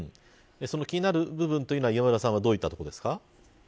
気になる部分は、磐村さんはどういったところですか。